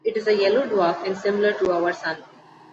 It is a yellow dwarf and similar to our Sun.